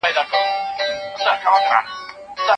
عدالت د امن او سوکالۍ لامل دی.